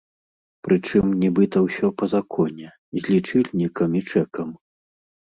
Прычым нібыта ўсё па законе, з лічыльнікам і чэкам!